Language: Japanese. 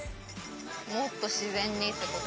もっと自然にってこと。